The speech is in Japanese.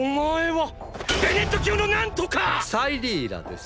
サイリーラです。